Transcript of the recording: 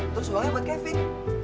terus uangnya buat kevin